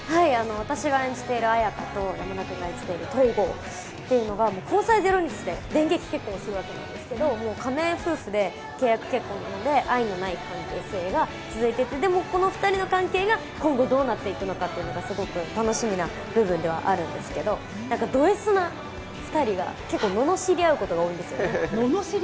私が演じている綾華と山田君が演じている東郷が交際ゼロ日で電撃結婚するわけなんですけど仮面夫婦で契約結婚なので愛のない関係性が続いてでもこの２人の関係が今後どうなっていくのかすごく楽しみな部分ではあるんですけど、ドＳな２人が結構罵り合うことが多いんですよね。